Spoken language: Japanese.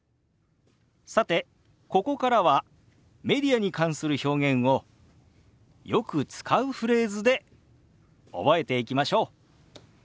さてここからはメディアに関する表現をよく使うフレーズで覚えていきましょう。